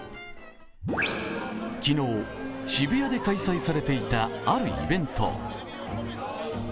昨日、渋谷で開催されていたあるイベント。